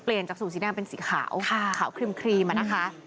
เปลี่ยนจากสูดสีด้านเป็นสีขาวขาวครีมมานะคะ